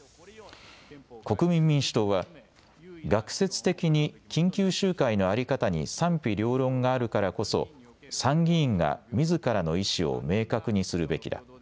国民民主党は学説的に緊急集会の在り方に賛否両論があるからこそ参議院がみずからの意思を明確にするべきだ。